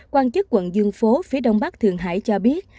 quan chức quận dương phố phía đông bắc thượng hải cho biết